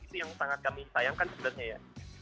itu yang sangat kami sayangkan sebenarnya ya